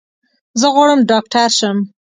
زه غواړم ډاکټر شم.